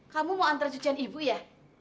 kamu mau antar cucian ibu ya